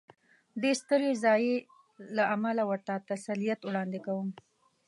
دې سترې ضایعې له امله ورته تسلیت وړاندې کوم.